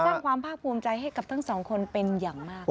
สร้างความภาคภูมิใจให้กับทั้งสองคนเป็นอย่างมาก